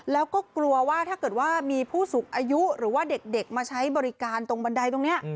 แล้วก็กลัวว่าถ้าเกิดว่ามีผู้สูงอายุหรือว่าเด็กมาใช้บริการตรงบันไดตรงนี้